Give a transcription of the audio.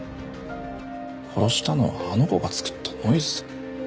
殺したのはあの子が作ったノイズだ。